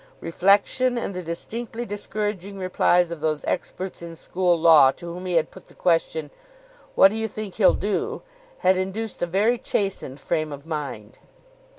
Reflection, and the distinctly discouraging replies of those experts in school law to whom he had put the question, "What d'you think he'll do?" had induced a very chastened frame of mind.